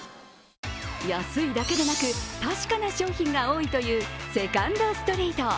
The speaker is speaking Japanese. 安いだけでなく確かな商品が多いというセカンドストリート。